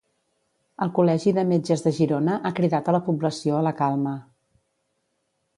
El Col·legi de Metges de Girona ha cridat a la població a la calma.